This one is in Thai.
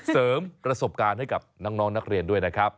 เสริมประสบการณ์ให้กับน้องนักเรียนด้วยนะครับ